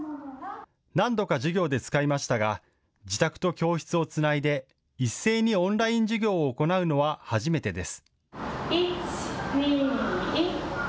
何度か授業で使いましたが自宅と教室をつないで一斉にオンライン授業を行うのは初めてです。